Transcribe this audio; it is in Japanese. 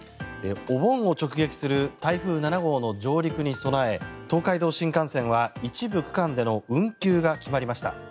お盆を直撃する台風７号の上陸に備え東海道新幹線は一部区間での運休が決まりました。